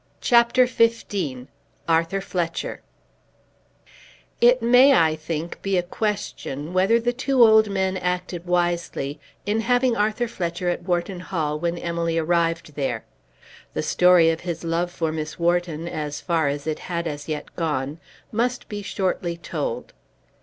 CHAPTER XV Arthur Fletcher It may, I think, be a question whether the two old men acted wisely in having Arthur Fletcher at Wharton Hall when Emily arrived there. The story of his love for Miss Wharton, as far as it had as yet gone, must be shortly told.